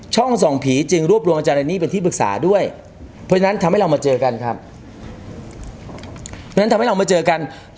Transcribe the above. ช่องส่องผีจึงรวบรวมอาจารย์นี้เป็นที่ปรึกษาด้วยเพราะฉะนั้นทำให้เรามาเจอกันครับ